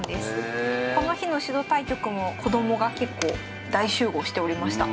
この日の指導対局も子どもが結構大集合しておりました。